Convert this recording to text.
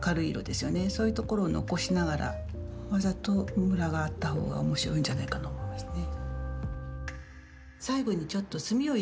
そういう所を残しながらわざとムラがあったほうが面白いんじゃないかなと思いますね。